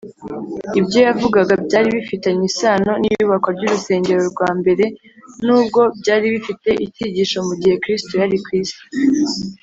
ibyo yavugaga byari bifitanye isano n’iyubakwa ry’urusengero rwa mbere nubwo byari bifite icyigisho mu gihe kristo yari ku isi